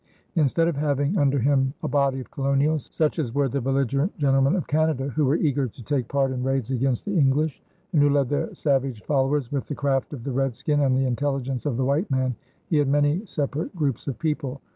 Instead of having under him a body of colonials, such as were the belligerent gentlemen of Canada, who were eager to take part in raids against the English and who led their savage followers with the craft of the redskin and the intelligence of the white man, he had many separate groups of people.